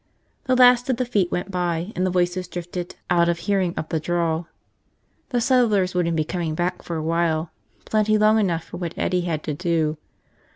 The last of the feet went by and the voices drifted out of hearing, up the draw. The settlers wouldn't be coming back for a while, plenty long enough for what Eddie had to do.